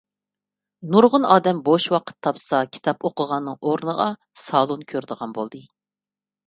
نۇرغۇن ئادەم بوش ۋاقىت تاپسا كىتاپ ئوقۇغاننىڭ ئورنىدا سالۇن كۆرىدىغان بولدى.